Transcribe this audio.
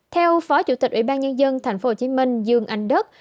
theo phó chủ tịch ủy ban nhân dân tp hcm dương anh đức